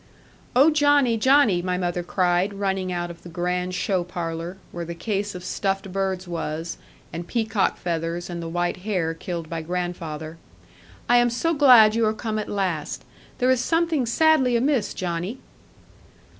'Oh, Johnny, Johnny,' my mother cried, running out of the grand show parlour, where the case of stuffed birds was, and peacock feathers, and the white hare killed by grandfather; 'I am so glad you are come at last. There is something sadly amiss, Johnny.'